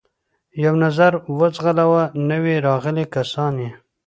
یو نظر و ځغلاوه، نوي راغلي کسان یې.